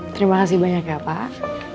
terima kasih banyak ya pak